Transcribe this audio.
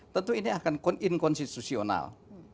tentu ini akan inkonstitusional